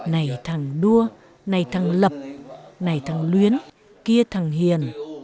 này thằng đua này thằng lập này thằng luyến kia thằng hiền